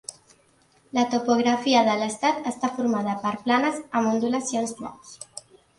La topografia de l'estat està formada per planes amb ondulacions suaus.